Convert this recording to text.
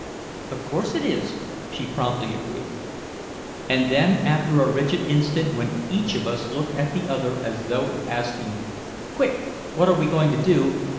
"Of course it is," she promptly agreed. And then after a rigid instant when each of us looked at the other as though asking, "Quick! What are we going to do?"